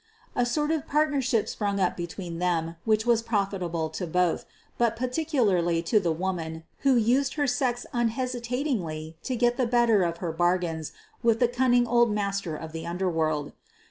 A sort of partnership sprang up between them which was profitable to both, but particularly to the woman, who used her sex unhesitatingly to get the better of her bargains with the cunning old mas ter of the underworld.